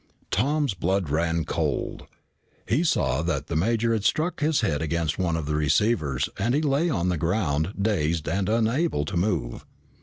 Tom's blood ran cold. He saw that the major had struck his head against one of the receivers and he lay on the ground, dazed and unable to move.